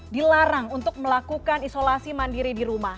dilarang untuk melakukan isolasi mandiri di rumah